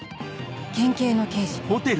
県警の刑事